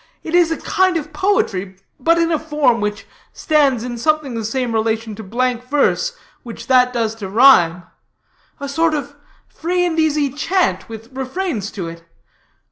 It is a kind of poetry, but in a form which stands in something the same relation to blank verse which that does to rhyme. A sort of free and easy chant with refrains to it.